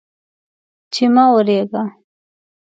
چې مه اوریږه